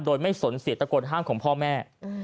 โดยไม่สนเสียตะโกนห้ามของพ่อแม่